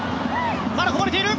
まだこぼれている。